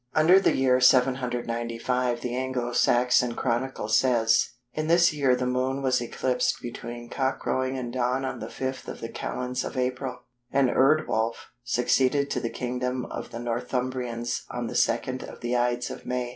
Under the year 795 the Anglo Saxon Chronicle says:—"In this year the Moon was eclipsed between cockcrowing and dawn on the 5th of the Calends of April; and Eardwalf succeeded to the kingdom of the Northumbrians on the 2nd of the Ides of May."